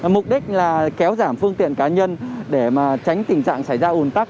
mục đích là kéo giảm phương tiện cá nhân để tránh tình trạng xảy ra ủn tắc